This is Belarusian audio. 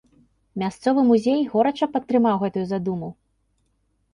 Мясцовы музей горача падтрымаў гэтую задуму.